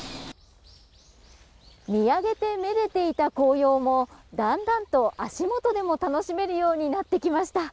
見上げてめでていた紅葉もだんだんと、足元でも楽しめるようになってきました。